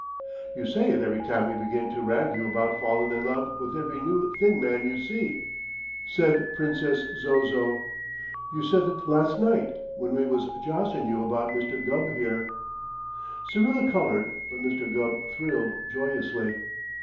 "You say it every time we begin to rag you about fallin' in love with every new thin man you see," said Princess Zozo. "You said it last night when we was joshin' you about Mr. Gubb here." Syrilla colored, but Mr. Gubb thrilled joyously.